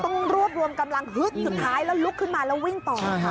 ต้องรวบรวมกำลังฮึดสุดท้ายแล้วลุกขึ้นมาแล้ววิ่งต่อค่ะ